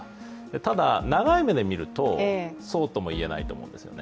ただ、長い目で見るとそうともいえないと思うんですよね。